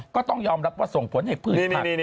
ก็ต้องย้อมรับว่าส่งผลให้ผู้อิตรภักดิน